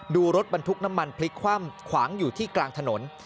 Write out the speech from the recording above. ดูรถบรรทุกน้ำมันพลิกคว่ำขวางอยู่ที่กลางถนน